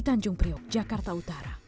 tanjung priok jakarta utara hai hai